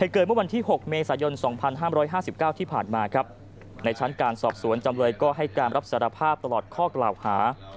เกิดเมื่อวันที่๖เมษายน๒๕๕๙ที่ผ่านมาครับในชั้นการสอบสวนจำเลยก็ให้การรับสารภาพตลอดข้อกล่าวหา